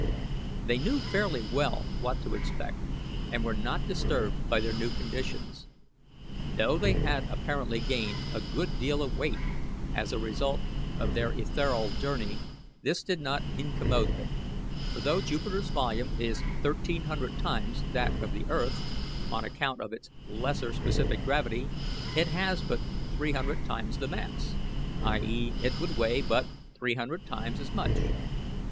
They knew fairly well what to expect, and were not disturbed by their new conditions. Though they had apparently gained a good deal in weight as a result of their ethereal journey, this did not incommode them; for though Jupiter's volume is thirteen hundred times that of the earth, on account of its lesser specific gravity, it has but three hundred times the mass i. e., it would weigh but three hundred times as much.